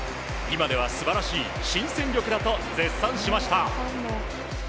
今では素晴らしい新戦力だと絶賛しました。